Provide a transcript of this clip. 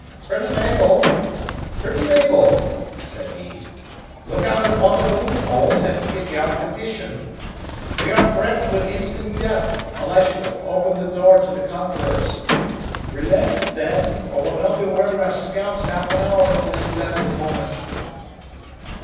"Pretty Mabel! Pretty Mabel!" said he; "Look out of one of the loopholes, and pity our condition. We are threatened with instant death unless you open the door to the conquerors. Relent, then or we'll no' be wearing our scalps half an hour from this blessed moment."